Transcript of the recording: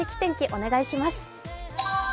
お願いします。